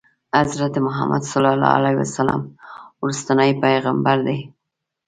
حضرت محمد صلی الله علیه وسلم وروستنی پیغمبر دی.